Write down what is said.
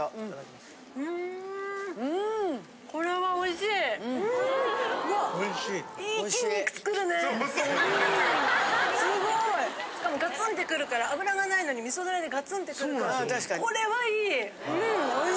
しかもガツンってくるから脂がないのに味噌ダレでガツンってくるこれはいい！